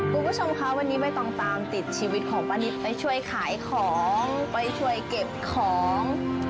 คุณผู้ชมคะวันนี้ใบตองตามติดชีวิตของป้านิตไปช่วยขายของไปช่วยเก็บของ